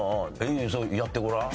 それやってごらん。